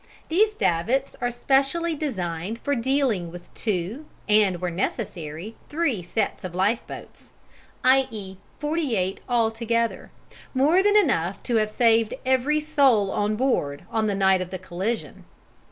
These davits are specially designed for dealing with two, and, where necessary, three, sets of lifeboats, i.e., 48 altogether; more than enough to have saved every soul on board on the night of the collision.